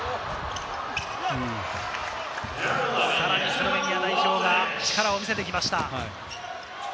スロベニア代表が力を見せてきました。